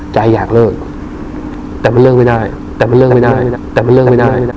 ใจอยากเลิกแต่มันเลิกไปได้